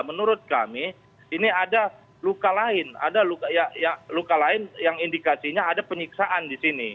menurut kami ini ada luka lain ada luka lain yang indikasinya ada penyiksaan di sini